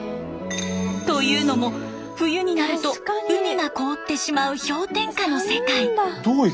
というのも冬になると海が凍ってしまう氷点下の世界。